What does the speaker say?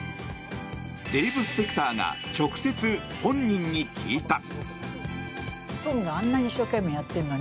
デーブ・スペクターが直接、本人に聞いた。